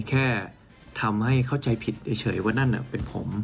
แค่ทำให้เข้าใจผิดเฉยว่านั่นเป็นผม